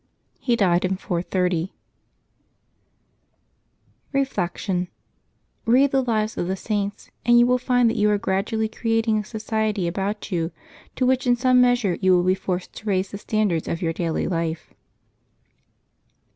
He died in 430. ^ Reflection. — ^Eead the lives of the Saints, and you will find that you are gradually creating a society about you to which in some measure you will be forced to raise the standard of your daily life.